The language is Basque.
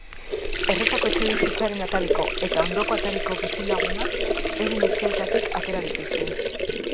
Erretako etxebizitzaren atariko eta ondoko atariko bizilagunak euren etxeetatik atera dituzte.